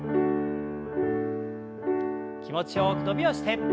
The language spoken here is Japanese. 気持ちよく伸びをして。